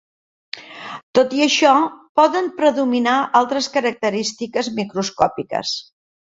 Tot i això, poden predominar altres característiques microscòpiques.